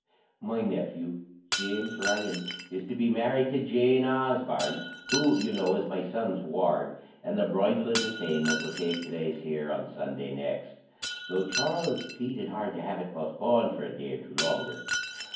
My nephew, James Ryan, is to be married to Jane Osborne (who, you know, is my son's ward), and the bridal entertainment will take place here on Sunday next, though Charles pleaded hard to have it postponed for a day or two longer.